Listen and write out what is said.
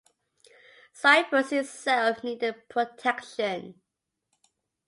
Cyprus itself needed protection.